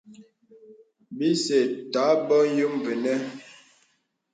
Bìsê tà bòŋ yòm vənə.